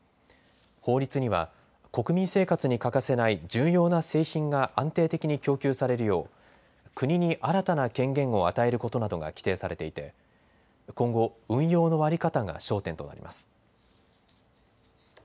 法律には国民生活に欠かせない重要な製品が安定的に供給されるよう国に新たな権限を与えることなどが規定されていて今後、運用の在り方が焦点となります。